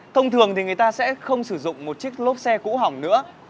thông thường thì người ta sẽ không sử dụng một chiếc lốp xe cũ hỏng nữa